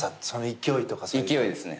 勢いですね。